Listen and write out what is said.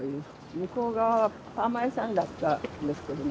向こう側はパーマ屋さんだったんですけどね。